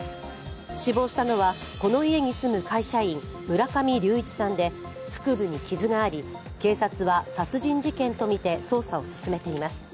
死亡したのは、この家に住む会社員、村上隆一さんで腹部に傷があり、警察は殺人事件とみて捜査を進めています。